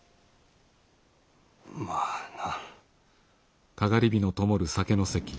まあな。